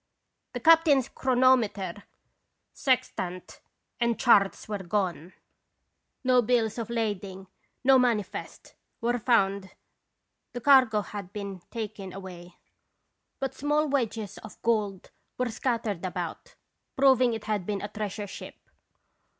The captain's chronometer, sextant, and charts were gone. No bills of lading, no manifest, 1 68 Ql (^rations Visitation. were found. The cargo had been taken away, but small wedges of gold were scattered about, proving it had been a treasure ship.